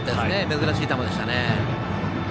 珍しい球でしたね。